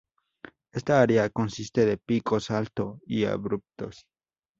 Esta área consiste de picos alto y abruptos.